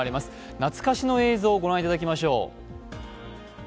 懐かしの映像を御覧いただきましょう。